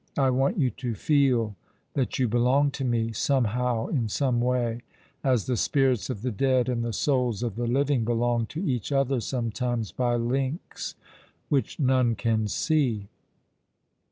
I want you to feel that you belong to me, somehow, in some way, as the spirits of the dead and the souls of the living belong to each other sometimes, by links which none can see.